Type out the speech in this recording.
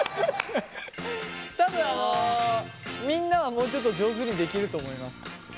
多分あのみんなはもうちょっと上手にできると思います。